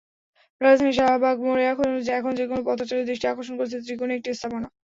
রাজধানীর শাহবাগ মোড়ে এখন যেকোনো পথচারীর দৃষ্টি আকর্ষণ করছে ত্রিকোণ একটি স্থাপনা।